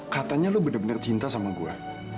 katanya lo bener bener cinta sama gue